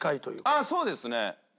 ああそうですね。